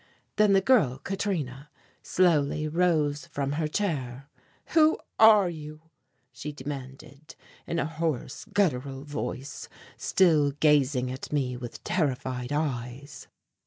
Then the girl, Katrina, slowly rose from her chair. "Who are you?" she demanded, in a hoarse, guttural voice, still gazing at me with terrified eyes.